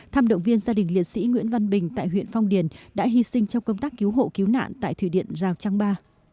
tham động viên gia đình liệt sĩ nguyễn văn bình tại huyện phong điền đã hy sinh trong công tác cứu hộ cứu nạn tại thủy điện rào trang ba